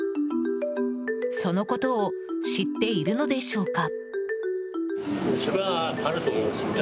そのことを知っているのでしょうか。